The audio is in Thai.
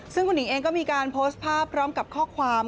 ซึ่งคุณหญิงเองก็มีการโพสต์ภาพพร้อมกับข้อความ